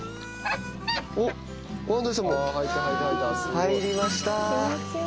入りました。